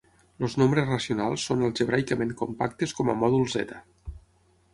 Els nombres racionals són algebraicament compactes com a mòdul Z.